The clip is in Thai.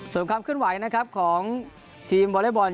ส่วนความขึ้นไหวนะครับของทีมบอเลตบอลยุวชนหญิง